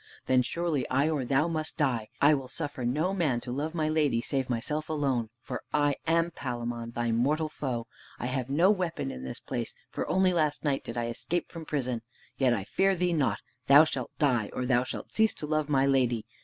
Then surely I or thou must die. I will suffer no man to love my lady, save myself alone. For I am Palamon, thy mortal foe. I have no weapon in this place, for only last night did I escape from prison. Yet I fear thee not. Thou shalt die, or thou shalt cease to love my lady.